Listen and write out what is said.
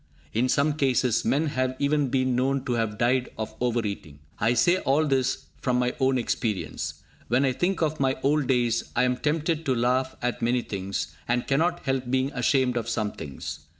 In some cases, men have even been known to have died of over eating. I say all this from my own experience. When I think of my old days, I am tempted to laugh at many things, and cannot help being ashamed of some things.